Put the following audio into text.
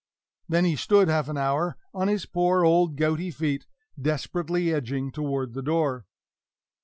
Then he stood half an hour on his poor old gouty feet, desperately edging toward the door.